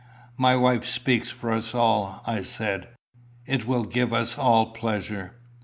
"My wife speaks for us all," I said. "It will give us all pleasure."